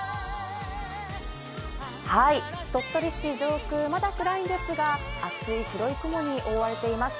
鳥取市上空、まだ暗いんですが、厚い広い雲に覆われています。